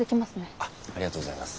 ありがとうございます。